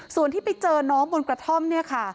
ส่วนที่ไปเจอน้องบนกระท่อมเนี่ยค่ะ